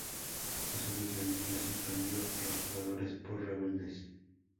A su vez, la Liga suspendió a los jugadores por "rebeldes".